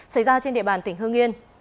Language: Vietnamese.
xảy ra trên địa bàn tỉnh hương yên